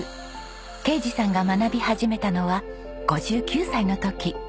啓二さんが学び始めたのは５９歳の時。